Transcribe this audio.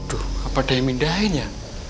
tuh apa daya mindahnya